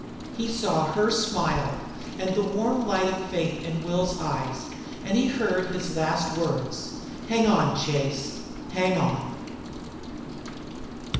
He saw her smile, and the warm light of faith in Will's eyes, and he heard his last words: "Hang on, Chase. Hang on!"